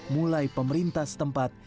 mulai pemerintah setempat